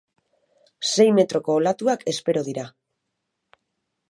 Sei metroko olatuak espero dira.